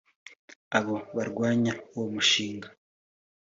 Abo barwanya uwo mushinga